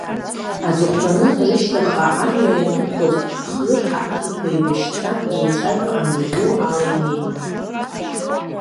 Аҵыхәтәаны, рышьҭахьҟа амҩа ианықәлоз, хҩык ақырҭуа еибашьцәа еицәажәо амҩаду ала инеиуан.